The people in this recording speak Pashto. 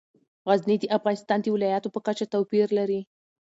غزني د افغانستان د ولایاتو په کچه توپیر لري.